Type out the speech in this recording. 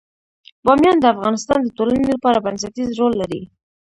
بامیان د افغانستان د ټولنې لپاره بنسټيز رول لري.